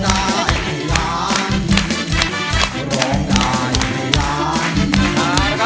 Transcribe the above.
เชิญขึ้นมาร้องได้ให้ล้านกับเราเลยค่ะ